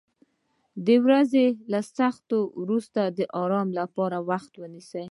د ورځې له سختیو وروسته د آرام لپاره وخت ونیسه.